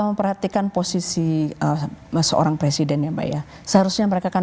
memperhatikan posisi seorang presiden ya mbak ya seharusnya mereka akan